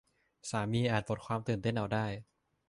สามีอาจหมดความตื่นเต้นเอาได้